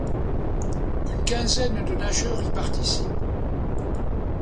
Une quinzaine de nageurs y participent.